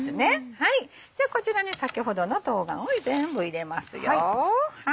じゃあこちらに先ほどの冬瓜を全部入れますよ。